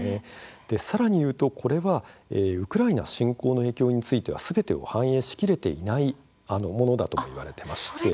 さらにウクライナ侵攻の影響について、すべてを反映しきれていないものだと言われています。